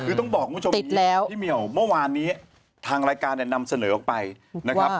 คือต้องบอกคุณผู้ชมพี่เหมียวเมื่อวานนี้ทางรายการเนี่ยนำเสนอออกไปนะครับ